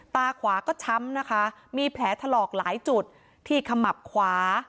ตาขวาก็ช้ำนะคะมีแผลถลอกหลายจุดที่ขมับขวา